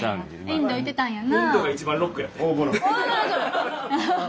インド行ってたんやな。